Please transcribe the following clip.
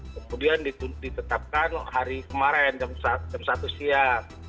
kemudian ditetapkan hari kemarin jam satu siang